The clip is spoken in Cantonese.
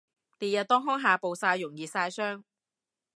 烈日當空下暴曬容易曬傷